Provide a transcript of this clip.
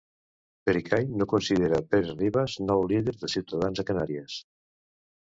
Pericay no considera Pérez-Ribas nou líder de Ciutadans a Canàries.